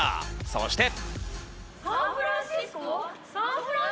そして。